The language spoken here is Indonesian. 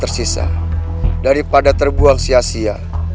tersisa daripada terbuang sia sia